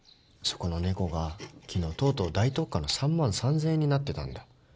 そこの猫が昨日とうとう大特価の３万３，０００円になってたんだ。